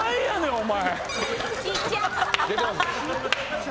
お前。